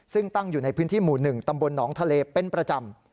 ซึ่งตั้งอยู่ในพื้นที่หมู่๑ตำบลหนองทะเลเป็นประจำ